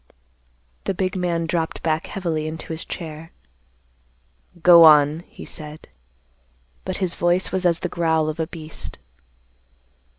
The big man dropped back heavily into his chair. "Go on," he said. But his voice was as the growl of a beast.